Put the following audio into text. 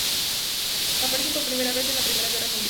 Aparecen por primera vez en la Primera Guerra Mundial.